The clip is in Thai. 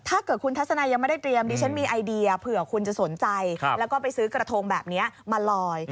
ถ้าเกิดคุณทัศนายยังไม่ได้เตรียมดิฉันมีไอเดียเผื่อคุณจะสนใจแล้วก็ไปซื้อกระทงแบบนี้มาลอย